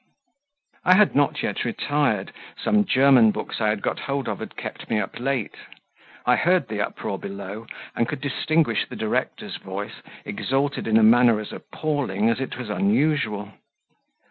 I had not yet retired; some German books I had got hold of had kept me up late; I heard the uproar below, and could distinguish the director's voice exalted in a manner as appalling as it was unusual.